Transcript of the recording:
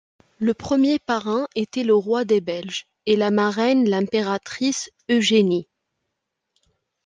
Le premier parrain était le roi des Belges et la marraine l’impératrice Eugénie.